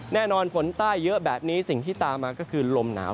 แน่นอนฝนใต้เยอะแบบนี้สิ่งที่ตามมาก็คือลมหนาว